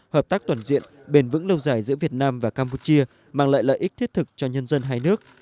hợp tác toàn diện bền vững lâu dài giữa việt nam và campuchia mang lại lợi ích thiết thực cho nhân dân hai nước